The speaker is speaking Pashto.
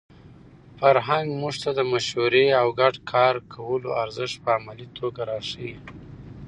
فرهنګ موږ ته د مشورې او ګډ کار کولو ارزښت په عملي توګه راښيي.